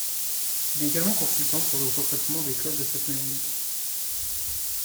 Il est également consultant pour le recrutement des clubs de cette même ligue.